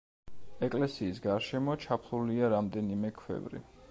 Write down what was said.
ეკლესიის გარშემო ჩაფლულია რამდენიმე ქვევრი.